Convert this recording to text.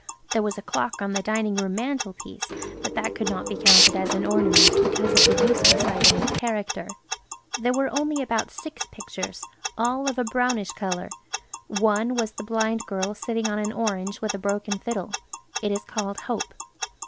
There was a clock on the dining room mantelpiece, but that could not be counted as an ornament because of the useful side of its character There were only about six pictures–all of a brownish colour. One was the blind girl sitting on an orange with a broken fiddle. It is called Hope.